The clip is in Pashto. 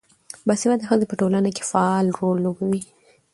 باسواده ښځې په ټولنه کې فعال رول لوبوي.